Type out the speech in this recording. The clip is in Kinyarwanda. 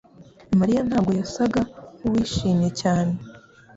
mariya ntabwo yasaga nkuwishimye cyane